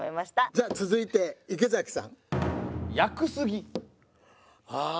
じゃあ続いて池崎さん。ああ。